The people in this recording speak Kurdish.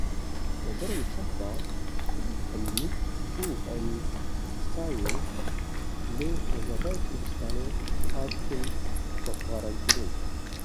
Deverên Şehba, Til Temir û Eyn Îsayê li Rojavayê Kurdistanê hatin topbarankirin.